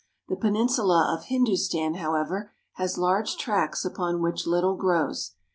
The peninsula of Hindustan, however, has large tracts upon which little grows.